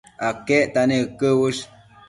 aquecta nec uëquë uësh?